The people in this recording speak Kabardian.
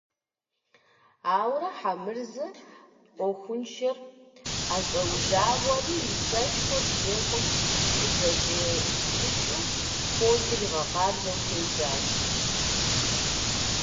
Ауэрэ Хьэмырзэ Ӏуэхуншэныр ӀэщӀэужагъуэри, и сэшхуэр зекӀуэм хузэщӀилъыкӀыу, фочыр игъэкъабзэу хуежьащ.